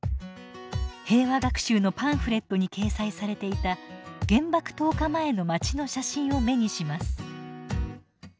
平和学習のパンフレットに掲載されていた原爆投下前の街の写真を目にします。